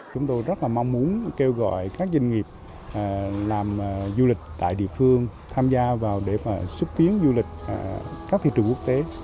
chúng tôi rất là mong muốn kêu gọi các doanh nghiệp làm du lịch tại địa phương tham gia vào để mà xúc tiến du lịch các thị trường quốc tế